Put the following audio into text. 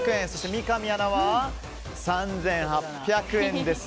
三上アナは３８００円です。